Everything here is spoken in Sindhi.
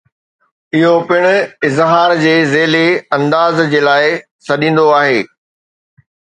اهو پڻ اظهار جي ذيلي انداز جي لاء سڏيندو آهي.